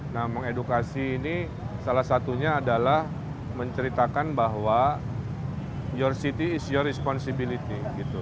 nah mengedukasi ini salah satunya adalah menceritakan bahwa your city is your responsibility gitu